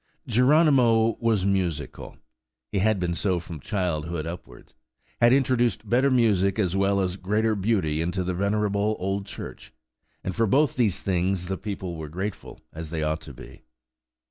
Geronimo was musical–he had been so from childhood upwards–had introduced better music as well as greater beauty into the venerable old church; and for both these things the people were grateful, as they ought to be.